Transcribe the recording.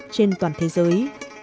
trên toàn thế giới